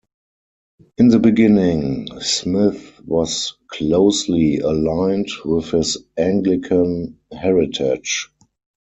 In the beginning, Smyth was closely aligned with his Anglican heritage.